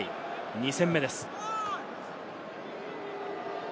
２戦目です。